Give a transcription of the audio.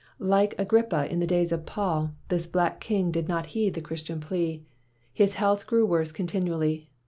Like Agrippa in the days of Paul, this black 193 WHITE MAN OF WORK king did not heed the Christian plea. His health grew worse continually.